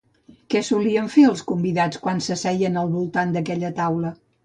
Què solien fer els convidats quan s'asseien al voltant d'aquella taula?